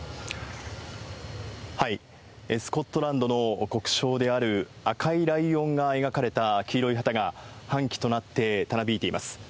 スコットランドの国章である赤いライオンが描かれた黄色い旗が、半旗となってたなびいています。